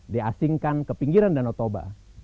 diasingkan ke pinggiran danau toba